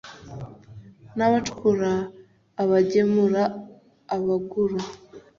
n abacukura abagemura abagura